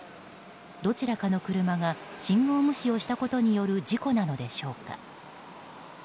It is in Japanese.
どちらかの車が信号無視をしたことによる事故なのでしょうか。